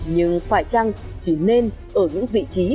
nhưng phải chăng chỉ nên ở những vị trí